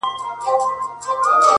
له شاتو نه” دا له شرابو نه شکَري غواړي”